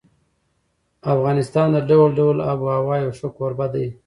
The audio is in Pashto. افغانستان د ډول ډول آب وهوا یو ښه کوربه دی.